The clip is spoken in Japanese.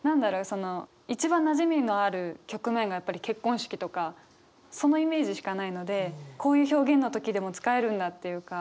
その一番なじみのある局面がやっぱり結婚式とかそのイメージしかないのでこういう表現の時でも使えるんだっていうか。